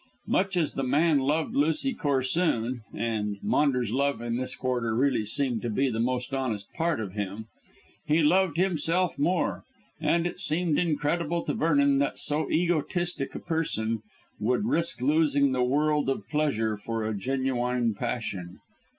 Much as the man loved Lucy Corsoon and Maunders' love in this quarter really seemed to be the most honest part of him he loved himself more; and it seemed incredible to Vernon that so egotistic a person would risk losing the world of pleasure for a genuine passion.